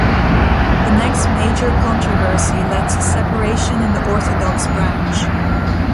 The next major controversy led to separation in the Orthodox branch.